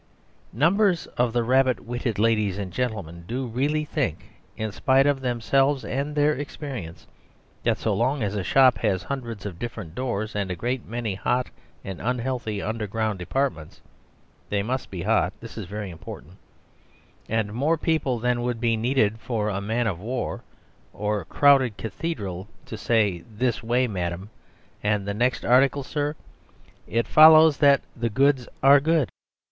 Numbers of the rabbit witted ladies and gentlemen do really think, in spite of themselves and their experience, that so long as a shop has hundreds of different doors and a great many hot and unhealthy underground departments (they must be hot; this is very important), and more people than would be needed for a man of war, or crowded cathedral, to say: "This way, madam," and "The next article, sir," it follows that the goods are good.